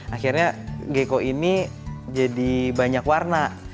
akhirnya geko ini jadi banyak warna